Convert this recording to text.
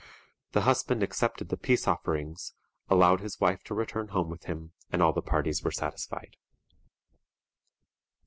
The husband accepted the peace offerings, allowed his wife to return home with him, and all the parties were satisfied.